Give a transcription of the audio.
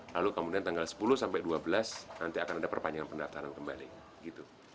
lalu kemudian tanggal sepuluh sampai dua belas nanti akan ada perpanjangan pendaftaran kembali gitu